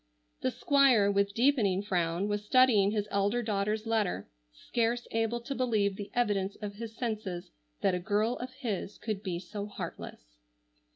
The Squire with deepening frown was studying his elder daughter's letter, scarce able to believe the evidence of his senses that a girl of his could be so heartless.